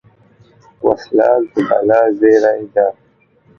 وسله د بلا زېری ده